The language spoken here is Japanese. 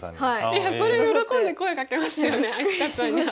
いやそれ喜んで声かけますよね明